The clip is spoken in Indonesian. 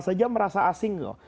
saja merasa asing loh